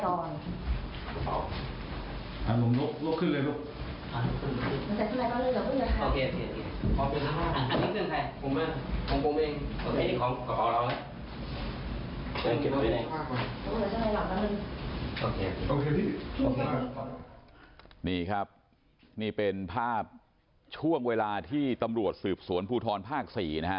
นี่ครับนี่เป็นภาพช่วงเวลาที่ตำรวจสืบสวนภูทรภาค๔นะฮะ